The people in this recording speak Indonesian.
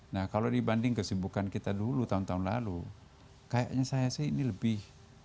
nah kalau dibanding kesibukan kita dulu tahun tahun lalu kayaknya saya sih ini lebih